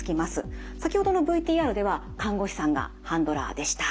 先ほどのＶＴＲでは看護師さんがハンドラーでした。